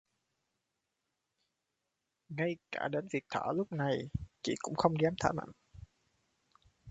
Ngay cả đến việc thở lúc này chị cũng không dám thở mạnh